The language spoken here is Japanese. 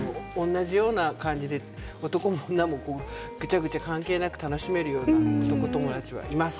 同じような感じで男も女もぐちゃぐちゃ関係なく楽しめるような男友達がいます。